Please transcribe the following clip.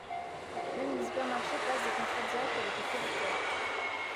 Même les hypermarchés passent des contrats directs avec les producteurs.